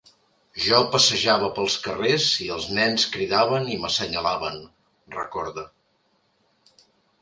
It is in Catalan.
Jo passejava pels carrers i els nens cridaven i m’assenyalaven, recorda.